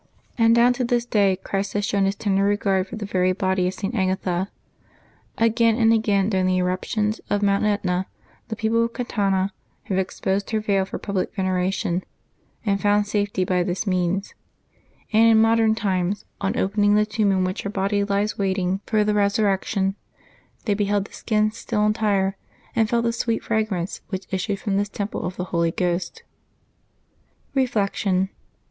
And down to this day Christ has shown His tender regard for the very body of St. Agatha. Again and again, during the eruptions of Mount Etna, the people of Catania have exposed her veil for public venera tion, and found safety by this means; and in modem times, on opening the tomb in which her body lies waiting 64 LIVE8 OF THE 8AINT8 IFebbuaby 5 for the resurrection, they beheld the sldn still entire, and felt the sweet fragrance which issued from this temple of the Holy Ghost. Reflection.